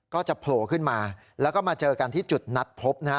ก็จะโผล่ขึ้นมาแล้วก็มาเจอกันที่จุดนัดพบ